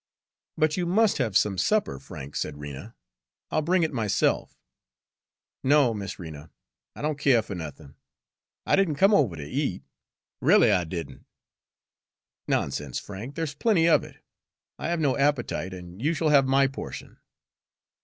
"But you must have some supper, Frank," said Rena. "I'll bring it myself." "No, Miss Rena, I don' keer fer nothin' I did n' come over ter eat r'al'y I didn't." "Nonsense, Frank, there's plenty of it. I have no appetite, and you shall have my portion."